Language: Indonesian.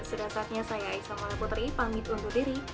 sedasarnya saya aisyah mala putri pamit untuk diri